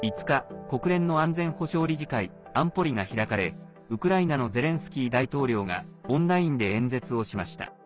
５日、国連の安全保障理事会安保理が開かれウクライナのゼレンスキー大統領がオンラインで演説をしました。